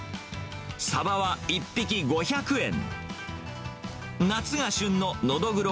さばは１匹５００円。